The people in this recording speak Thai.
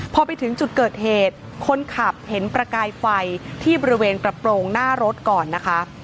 พอไปถึงจุดเกิดเหตุคนขับเห็นประกายไฟที่บริเวณกระโปรงหน้ารถก่อนนะคะ